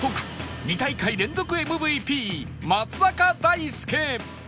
２大会連続 ＭＶＰ 松坂大輔